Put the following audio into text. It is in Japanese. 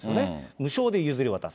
無償で譲り渡す。